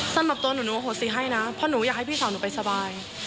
สำหรับตัวหนูหนูโอโหสิให้นะเพราะหนูอยากให้พี่สาวหนูไปสบาย